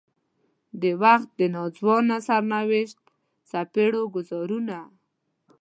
د وخت د ناځوانه سرنوشت څپېړو ګوزارونه.